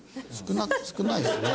少ないですね。